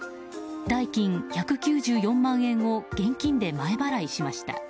代金１９４万円を現金で前払いしました。